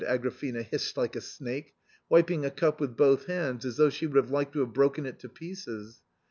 Agrafena hissed like a snake, wiping a cup with both hands as though she would have liked to have broken it to pieces.